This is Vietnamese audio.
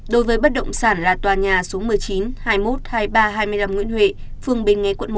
đối với bất động sản là tòa nhà số một mươi chín hai mươi một hai mươi ba hai mươi năm nguyễn huệ phương bình nghe quận một